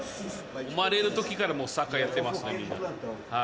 生まれるときから、もうサッカーやってますね、みんな。